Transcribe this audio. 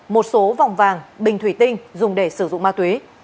một số vòng vàng bình thủy tinh dùng để sử dụng ma túy